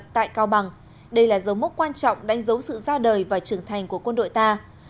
đây là dấu mốc quan trọng đánh dấu sự ra đời và trưởng thành của quân đội ta